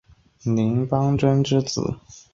林邦桢之子。